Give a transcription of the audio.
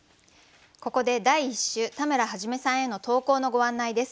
ここで第１週田村元さんへの投稿のご案内です。